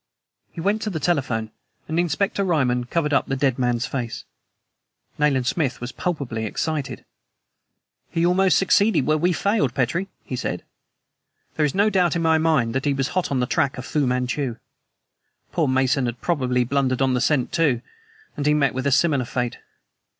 He went to the telephone, and Inspector Ryman covered up the dead man's face. Nayland Smith was palpably excited. "He almost succeeded where we have failed, Petrie," he said. "There is no doubt in my mind that he was hot on the track of Fu Manchu! Poor Mason had probably blundered on the scent, too, and he met with a similar fate.